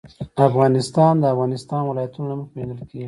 افغانستان د د افغانستان ولايتونه له مخې پېژندل کېږي.